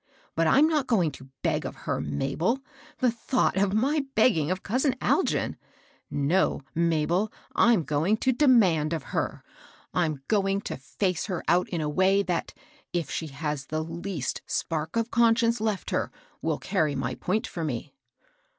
But I'm not going to beg of her, Mabel, — the thought of my begging of cousin Algin 1 No, Mabel, I'm going to Je mamd of her ; I'm going to face her out in a way, that, if she has the least spark of conscience left her, will cariy my point for me."